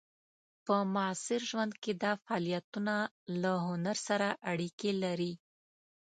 په معاصر ژوند کې دا فعالیتونه له هنر سره اړیکې لري.